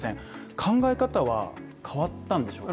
考え方は変わったんでしょうか？